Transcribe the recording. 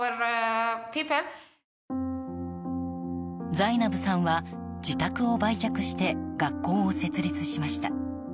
ザイナブさんは自宅を売却して学校を設立しました。